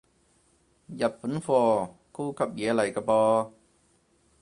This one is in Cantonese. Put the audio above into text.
日本貨，高級嘢嚟個噃